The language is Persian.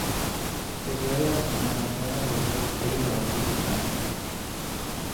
بسیاری از هنرمندان بزرگ غیر عادی بودهاند.